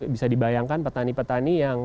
bisa dibayangkan petani petani yang